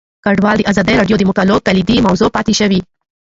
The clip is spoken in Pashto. کډوال د ازادي راډیو د مقالو کلیدي موضوع پاتې شوی.